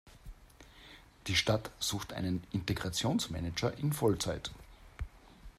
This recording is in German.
Die Stadt sucht einen Integrationsmanager in Vollzeit.